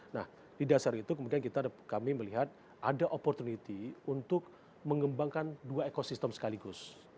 nah di dasar itu kemudian kami melihat ada opportunity untuk mengembangkan dua ekosistem sekaligus